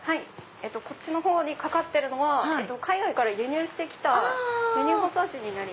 こっちのほうに掛かってるのは海外から輸入して来た輸入包装紙になります。